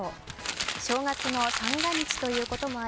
正月の三が日ということもあり